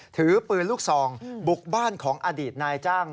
ถือปืนลูกซองบุกบ้านของอดีตนายจ้าง